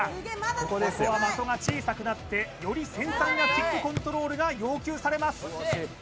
ここは的が小さくなってより繊細なキックコントロールが要求されます